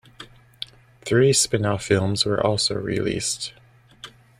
Three spin-off films were also released.